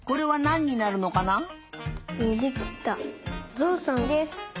ぞうさんです。